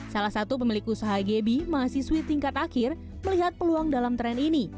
saat dod kick us agb masih sweeting ketakhir terlihat peluang dalam tren ini